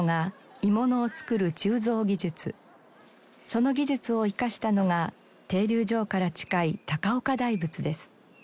その技術を生かしたのが停留場から近い高岡大仏です。